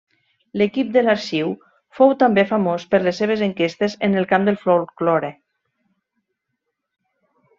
L'equip de l'arxiu fou també famós per les seves enquestes en el camp del folklore.